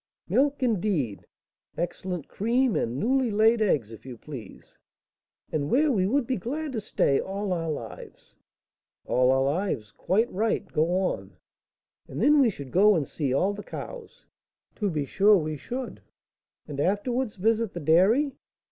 "Milk, indeed! Excellent cream, and newly laid eggs, if you please." "And where we would be glad to stay all our lives!" "All our lives! Quite right, go on." "And then we should go and see all the cows!" "To be sure we should." "And afterwards visit the dairy?"